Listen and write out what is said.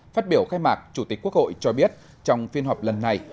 phát biểu khai mạc chủ tịch quốc hội cho biết trong phiên họp lần này